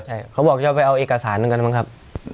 ใช่เขาบอกจะไปเอาเอกสารนึงกันมั้งครับ